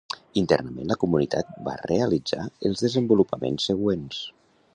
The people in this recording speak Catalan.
Internament la comunitat va realitzar els desenvolupaments següents.